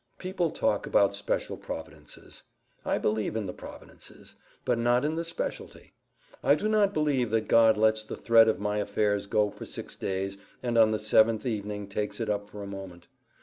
People talk about special providences. I believe in the providences, but not in the specialty. I do not believe that God lets the thread of my affairs go for six days, and on the seventh evening takes it up for a moment.